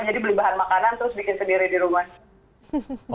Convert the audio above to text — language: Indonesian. jadi beli bahan makanan terus bikin sendiri di rumah